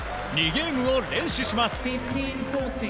２ゲームを連取します。